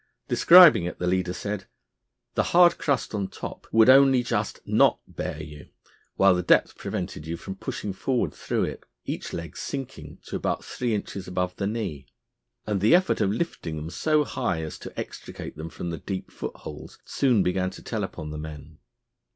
Describing it, the leader said: "The hard crust on the top would only just not bear you, while the depth prevented you from pushing forward through it, each leg sinking to about three inches above the knee, and the effort of lifting them so high as to extricate them from the deep footholes soon began to tell upon the men."